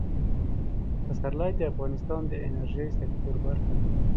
پسرلی د افغانستان د انرژۍ سکتور برخه ده.